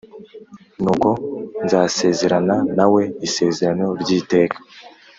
Nuko nzasezerana nawe isezerano ry’iteka